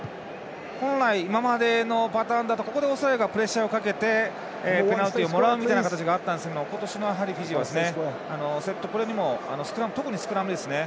本来、今までのパターンだとここでオーストラリアがプレッシャーをかけてペナルティをもらうみたいな形があったんですが今年のフィジーはセットプレーにも特にスクラムですね。